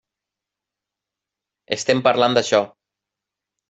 Estem parlant d'això.